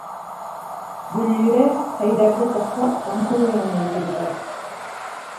Гөллирә Хәйҙәрҙе ташлап Таңһылыу янына йүгереп бара.